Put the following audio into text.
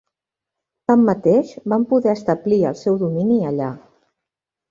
Tanmateix, van poder establir el seu domini allà.